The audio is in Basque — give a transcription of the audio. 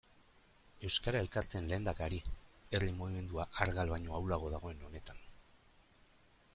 Euskara elkarteen lehendakari, herri mugimendua argal baino ahulago dagoen honetan.